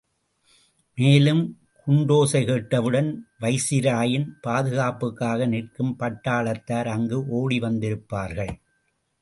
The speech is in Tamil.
மேலும் குண்டோசைகேட்டவுடன் வைசிராயின் பாதுகாப்புக்காக நிற்கும் பட்டாளத்தார் அங்கு ஓடிவந்திருப்பார்கள்.